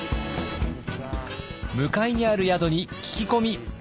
向かいにある宿に聞き込み。